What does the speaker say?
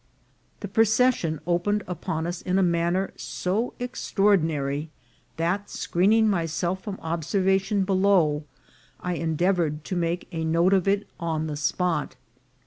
The procession opened upon us in a manner so extraordinary, that, screening myself from observa tion below, I endeavoured to make a note of it on the spot.